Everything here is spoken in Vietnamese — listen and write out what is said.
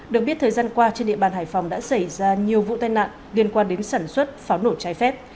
được biết thời gian qua trên địa bàn hải phòng đã xảy ra nhiều vụ tai nạn liên quan đến sản xuất pháo nổ trái phép